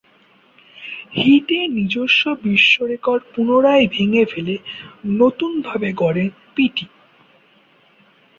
হিটে নিজস্ব বিশ্বরেকর্ড পুনরায় ভেঙে ফেলে নতুনভাবে গড়েন পিটি।